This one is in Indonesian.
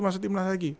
masuk timnas lagi